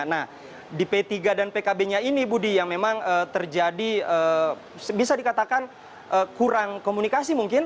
nah di p tiga dan pkb nya ini budi yang memang terjadi bisa dikatakan kurang komunikasi mungkin